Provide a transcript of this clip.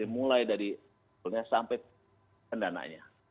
mulai dari sampai pendananya